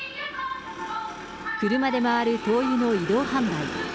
車で回る灯油の移動販売。